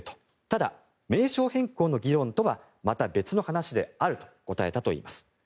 ただ、名称変更の議論とはまた別の話であると答えたといいます。